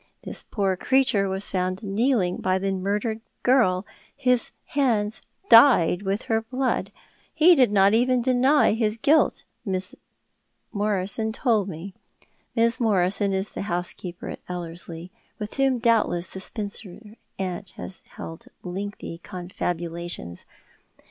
This poor creature was found kneeling by the murdered girl, his hands dyed with her blood. He did not even deny his guilt, Mrs. Morison told me." Mrs. Morison is the housekeeper at Ellerslie, with whom doubtless the spinster aunt has held lengthy confabulations.